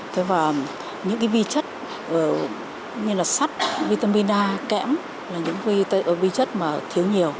thế và những cái vi chất như là sắt vitamin a kẽm là những vi chất mà thiếu nhiều